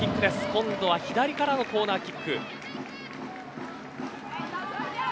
今度は左からのコーナーキック。